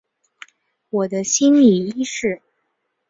我的心理医师